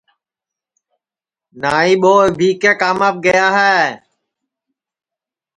نائی ٻو ابھی کے کاماپ گیا ہے